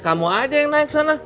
kamu ada yang naik sana